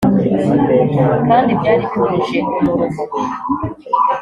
kandi byari bihuje umuruho